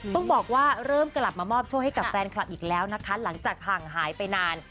ต้องบอกว่าเริ่มกลับมามอบโชคให้กับแฟนคลับอีกแล้วนะคะหลังจากห่างหายไปนาน